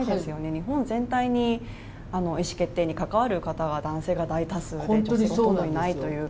日本全体に、意思決定に関わる方は男性が大多数で女性がほとんどいないという。